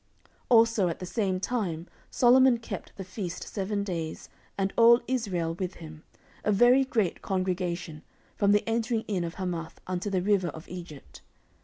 14:007:008 Also at the same time Solomon kept the feast seven days, and all Israel with him, a very great congregation, from the entering in of Hamath unto the river of Egypt.